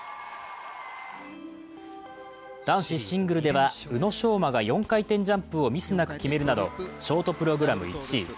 男子シングルでは、宇野昌磨が４回転ジャンプをミスなく決めるなどショートプログラム１位。